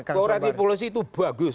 koreksi policy itu bagus